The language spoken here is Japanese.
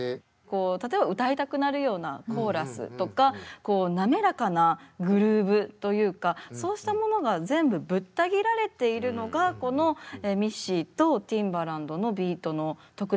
例えば歌いたくなるようなコーラスとかこう滑らかなグルーブというかそうしたものが全部ぶった切られているのがこのミッシーとティンバランドのビートの特徴なのかなと思ってて。